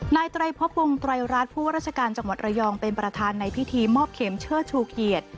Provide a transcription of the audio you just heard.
นายไตรพบวงไตรรัฐผู้ว่าราชการจังหวัดระยองเป็นประธานในพิธีมอบเข็มเชิดชูเกียรติ